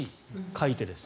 買い手です。